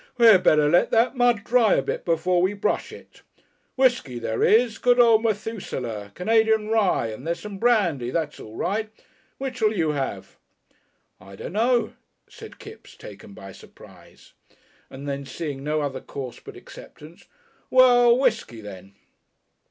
"We'd better let that mud dry a bit before we brush it. Whiskey there is, good old Methusaleh, Canadian Rye, and there's some brandy that's all right. Which'll you have?" "I dunno," said Kipps, taken by surprise, and then seeing no other course but acceptance, "well whiskey, then."